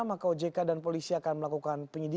maka ojk dan polisi akan melakukan penyelidikan